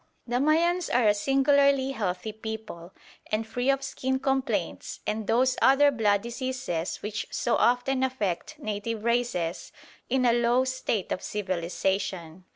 ] The Mayans are a singularly healthy people, and free of skin complaints and those other blood diseases which so often affect native races in a low state of civilisation.